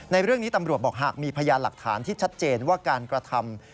ในเรื่องนี้ตำรวจบอกหากมีพยานหลักฐานที่ชัดเจนว่าการกระทำ